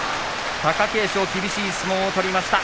貴景勝、厳しい相撲を取りました